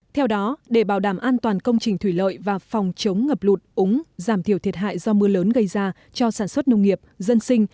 theo đó để bảo đảm an toàn công trình thủy lợi và phòng chống ngập lụt úng giảm thiểu thiệt hại do mưa lớn gây ra cho sản xuất nông nghiệp dân sinh